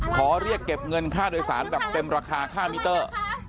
ขอเรียกเก็บเงินทุกท่าลโดยสารแบบเต็มราคา๕เมตร